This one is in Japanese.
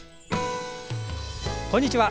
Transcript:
こんにちは。